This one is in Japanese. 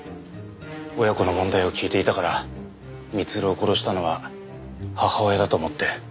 親子の問題を聞いていたから光留を殺したのは母親だと思って。